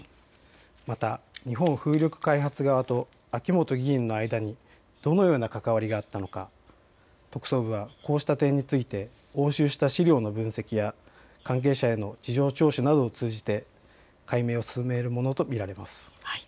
また日本風力開発側と秋本議員の間にどのような関わりがあったのか、特捜部はこうした点について押収した資料の分析や関係者への事情聴取などを通じて解明を進めるものと見られます。